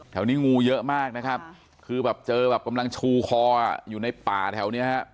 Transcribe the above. แถวนี้งูเยอะมากนะครับคือแบบเจอแบบกำลังชูคออยู่ในป่าแถวนี้ฮะ